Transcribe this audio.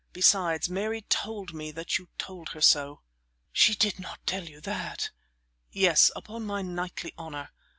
Besides, Mary told me that you told her so." "She did not tell you that?" "Yes; upon my knightly honor."